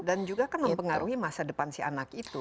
dan juga kan mempengaruhi masa depan si anak itu